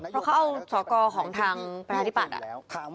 เพราะเขาเอาสอกรของทางประชาธิปัตย์